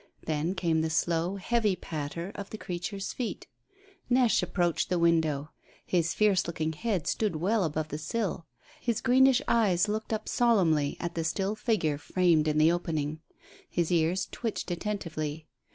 Then came the slow, heavy patter of the creature's feet. Neche approached the window. His fierce looking head stood well above the sill. His greenish eyes looked up solemnly at the still figure framed in the opening. His ears twitched attentively.